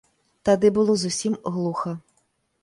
Тады было зусім глуха.